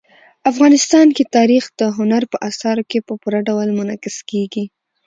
افغانستان کې تاریخ د هنر په اثارو کې په پوره ډول منعکس کېږي.